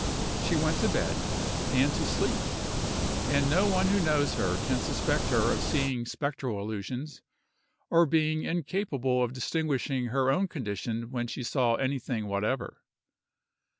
She went to bed, and to sleep, and no one who knows her can suspect her of seeing spectral illusions, or being incapable of distinguishing her own condition when she saw anything whatever.